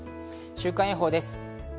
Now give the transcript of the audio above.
週間予報です。